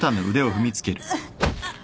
あっ！